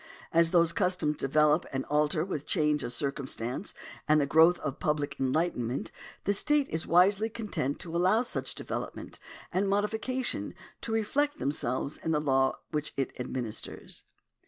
As those customs develop and alter with change of circumstance and the growth of public enlightenment, the state is wisely content to allow such development and modification to reflect them selves in the law which it administers.